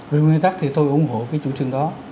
về nguyên tắc thì tôi ủng hộ cái chủ trương đó